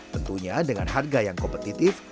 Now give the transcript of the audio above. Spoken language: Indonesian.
tentunya dengan harga yang kompetitif